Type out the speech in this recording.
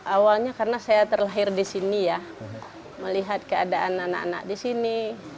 awalnya karena saya terlahir di sini ya melihat keadaan anak anak di sini